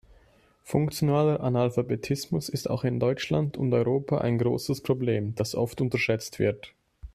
Funktionaler Analphabetismus ist auch in Deutschland und Europa ein großes Problem, das oft unterschätzt wird.